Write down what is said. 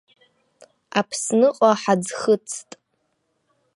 Аԥсныҟа ҳаӡхыҵт.